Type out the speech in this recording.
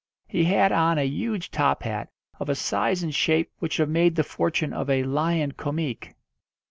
He had on a huge top hat, of a size and shape which would have made the fortune of a "lion comique."